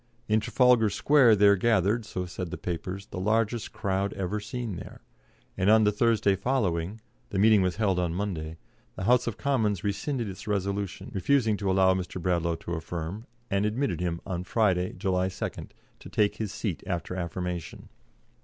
In Trafalgar Square there gathered so said the papers the largest crowd ever seen there, and on the Thursday following the meeting was held on Monday the House of Commons rescinded its resolution, refusing to allow Mr. Bradlaugh to affirm, and admitted him on Friday, July 2nd, to take his seat after affirmation.